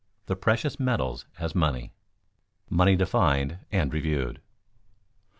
THE PRECIOUS METALS AS MONEY [Sidenote: Money defined and reviewed] 1.